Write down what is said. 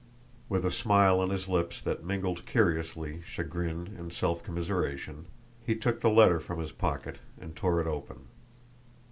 With a smile on his lips that mingled curiously chagrin and self commiseration, he took the letter from his pocket and tore it open.